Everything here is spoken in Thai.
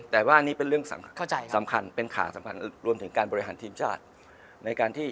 แต่ว่าอันนี้เป็นเรื่องสำคัญเป็นขาดรวมถึงการบริหารทีมชาร์จ